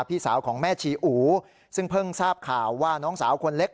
พี่สาวของแม่ชีอูซึ่งเพิ่งทราบข่าวว่าน้องสาวคนเล็ก